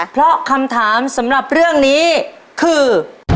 เพราะคำถามสำหรับเรื่องนี้คือ